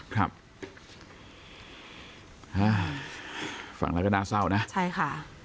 ครับอ่าฟังแล้วก็น่าเศร้านะใช่ค่ะ